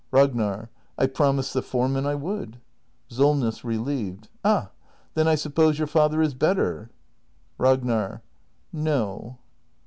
Ragnar. I promised the foreman I would. SOLNESS. [Relieved.] Ah, then I suppose your father is better ? Ragnar. No.